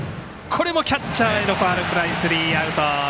キャッチャーへのファウルフライでスリーアウト。